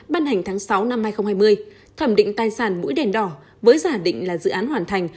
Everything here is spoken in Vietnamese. ban hành tháng sáu năm hai nghìn hai mươi thẩm định tài sản mũi đèn đỏ với giả định là dự án hoàn thành